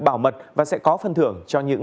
bảo mật và sẽ có phân thưởng cho những